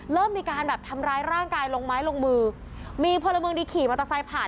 เริ่มมีการแบบทำร้ายร่างกายลงไม้ลงมือมีพระมึงดิขี่มาตะไส่ผ่าน